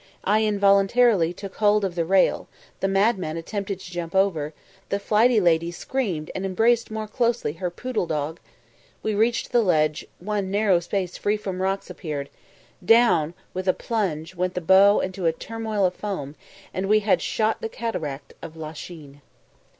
I involuntarily took hold of the rail the madman attempted to jump over the flighty lady screamed and embraced more closely her poodle dog; we reached the ledge one narrow space free from rocks appeared down with one plunge went the bow into a turmoil of foam and we had "shot the cataract" of La Chine.